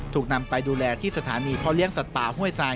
ถูกนำไปดูแลที่สถานีพ่อเลี้ยสัตว์ป่าห้วยทราย